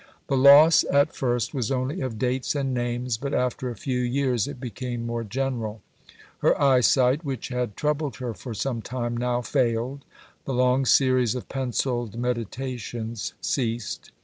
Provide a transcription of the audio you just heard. The loss at first was only of dates and names, but after a few years it became more general. Her eyesight, which had troubled her for some time, now failed. The long series of pencilled meditations ceased.